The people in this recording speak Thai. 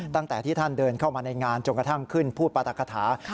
ตั้งแต่ที่ท่านเดินเข้ามาในงานจนกระทั่งขึ้นพูดปรัฐคาถา